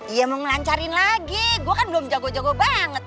iya mau ngelancarin lagi gue kan belum jago jago banget